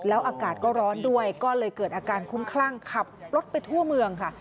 อากาศก็ร้อนด้วยก็เลยเกิดอาการคุ้มคลั่งขับรถไปทั่วเมืองค่ะ